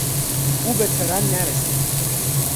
او به ترن نرسید.